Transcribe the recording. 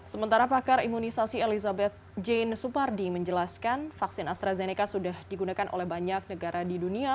sementara pakar imunisasi elizabeth jane supardi menjelaskan vaksin astrazeneca sudah digunakan oleh banyak negara di dunia